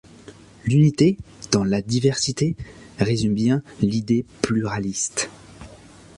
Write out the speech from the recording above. L'unité dans la diversité résume bien l'idée pluraliste.